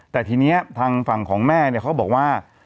แต่ทีนี้ทางฝั่งของแม่เนี่ยเขาบอกว่า